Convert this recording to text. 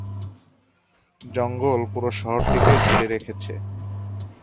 জঙ্গল পুরো শহরটিকে ঘিরে রেখেছে।